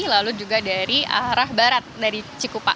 lalu juga dari arah barat dari cikupa